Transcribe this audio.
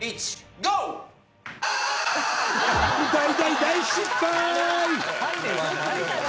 ゴー大大大失敗！